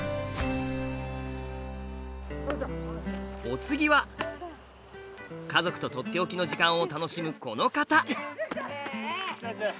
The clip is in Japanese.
お次は家族と「とっておきの時間」を楽しむこの方。